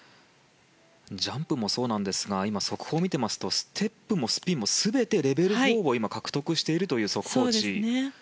ジャンプもそうなんですが速報を見ていますとステップもスピンも全てレベル４を獲得しているという速報値。